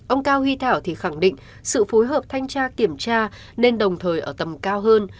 ông cao huy thảo thì khẳng định sự phối hợp thanh tra kiểm tra nên đồng thời ở tầm cao hơn